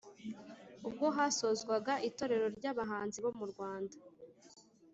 ubwo hasozwaga itorero ry’abahanzi bo mu rwanda,